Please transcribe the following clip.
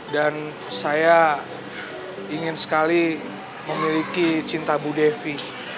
dan saya ingin sekali memiliki cinta bu devi